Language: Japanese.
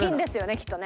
きっとね。